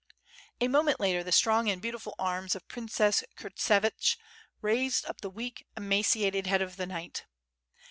A moment later the strong and beautiful arms of princess Kurtsevich raised up the weak, emaciated head of the knight.